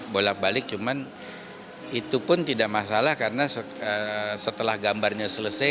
bolak balik cuman itu pun tidak masalah karena setelah gambarnya selesai